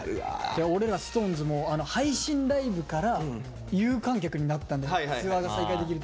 俺らＳｉｘＴＯＮＥＳも配信ライブから有観客になったんでツアーが再開できる。